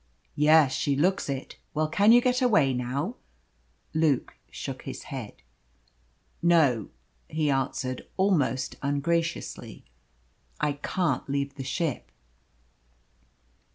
"Yes, she looks it. Well, can you get away now?" Luke shook his head. "No," he answered almost ungraciously, "I can't leave the ship."